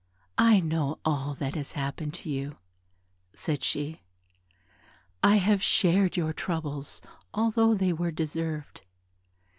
"I know all that has happened to you," said she, "I have shared your troubles, although they were deserved.